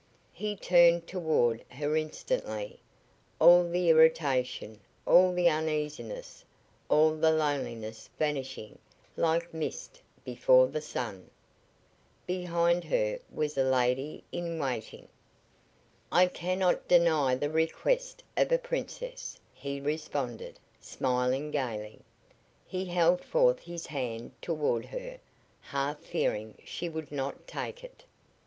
He turned toward her instantly, all the irritation, all the uneasiness, all the loneliness vanishing like mist before the sun. Behind her was a lady in waiting. "I cannot deny the request of a princess," he responded, smiling gaily. He held forth his hand toward her, half fearing she would not take it.